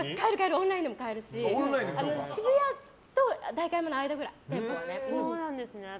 オンラインでも買えるし渋谷と代官山の間くらい店舗はね。